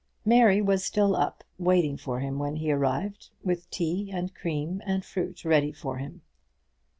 Mary was still up, waiting for him when he arrived, with tea, and cream, and fruit ready for him.